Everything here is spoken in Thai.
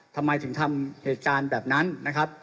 ทำไมถึงทำเหตุการณ์แบบนั้นนะครับ